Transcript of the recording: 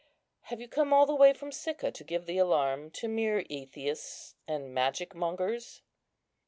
Have you come all the way from Sicca to give the alarm to mere atheists and magic mongers?"